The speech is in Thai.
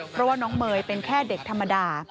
เพราะว่าน้องเมย์เป็นแค่เด็กธรรมดา